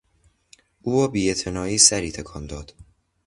او با بیاعتنایی سری تکان داد.